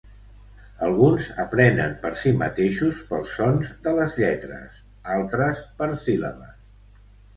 Alguns aprenen per si mateixos pels sons de les lletres, altres per síl·labes.